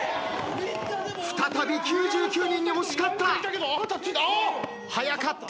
再び９９人に押し勝った。